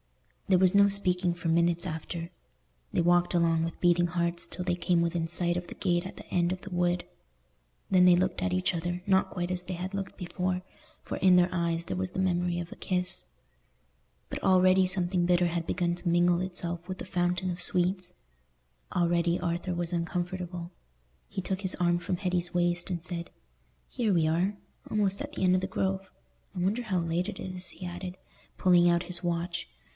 There was no speaking for minutes after. They walked along with beating hearts till they came within sight of the gate at the end of the wood. Then they looked at each other, not quite as they had looked before, for in their eyes there was the memory of a kiss. But already something bitter had begun to mingle itself with the fountain of sweets: already Arthur was uncomfortable. He took his arm from Hetty's waist, and said, "Here we are, almost at the end of the Grove. I wonder how late it is," he added, pulling out his watch.